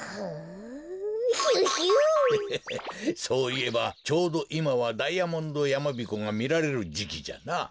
そういえばちょうどいまはダイヤモンドやまびこがみられるじきじゃな。